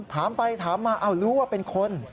ถามไปถามมารู้ว่าเป็นคน